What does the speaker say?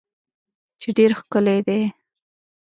چې ډیر ښکلی دی